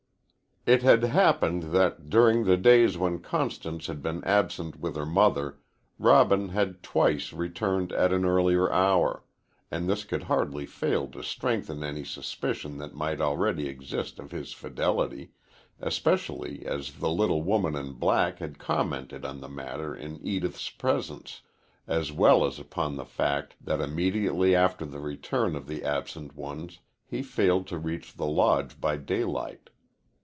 It had happened that during the days when Constance had been absent with her mother Robin had twice returned at an earlier hour, and this could hardly fail to strengthen any suspicion that might already exist of his fidelity, especially as the little woman in black had commented on the matter in Edith's presence, as well as upon the fact that immediately after the return of the absent ones he failed to reach the Lodge by daylight.